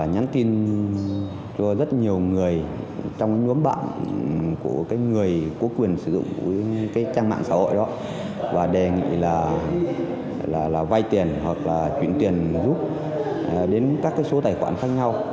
nhắn tin cho rất nhiều người trong nhóm bạn của người có quyền sử dụng trang mạng xã hội đó và đề nghị là vay tiền hoặc là chuyển tiền giúp đến các số tài khoản khác nhau